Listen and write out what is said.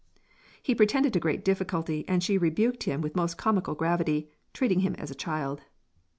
He pretended to great difficulty, and she rebuked him with most comical gravity, treating him as a child.